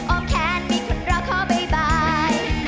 ออมแขนมีคุณรักขอบายบาย